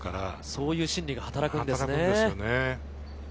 そういう心理が働くんですね。